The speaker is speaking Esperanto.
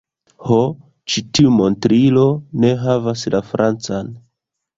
Ho ĉi tiu montrilo ne havas la francan